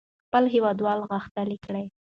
خپل هېوادوال غښتلي کړئ.